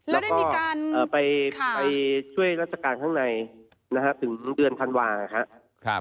แล้วได้มีการไปช่วยราชการข้างในนะฮะถึงทั้งเดือนธันวาค์นะฮะ